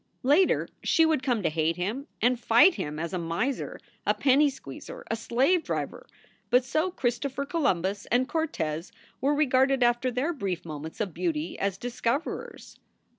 Later she would come to hate him and fight him as a miser, a penny squeezer, a slave driver, but so Christopher Columbus and Cortes were regarded after their brief moments of beauty as dis coverers.